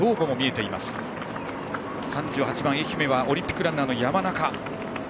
３８番、愛媛はオリンピックランナーの山中。